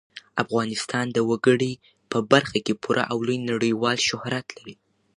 افغانستان د وګړي په برخه کې پوره او لوی نړیوال شهرت لري.